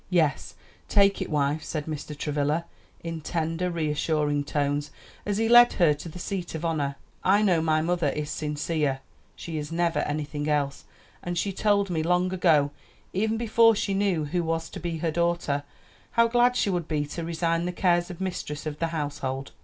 "Yes; take it, wife," said Mr. Travilla, in tender, reassuring tones, as he led her to the seat of honor; "I know my mother is sincere (she is never anything else), and she told me long ago, even before she knew who was to be her daughter, how glad she would be to resign the cares of mistress of the household."